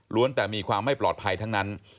แต่มีความไม่ปลอดภัยทั้งนั้น